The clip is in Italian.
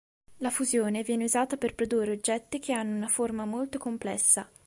La fusione viene usata per produrre oggetti che hanno una forma molto complessa.